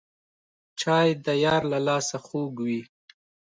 چای د یار له لاسه خوږ وي